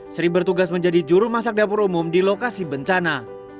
sri bertugas menjadi juru masak dapur umum di lokasi bencana